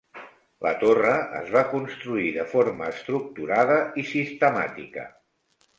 La torre es va construir de forma estructurada i sistemàtica.